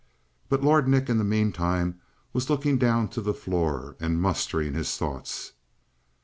But Lord Nick in the meantime was looking down to the floor and mustering his thoughts.